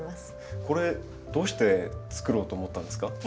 これどうしてつくろうと思ったんですか？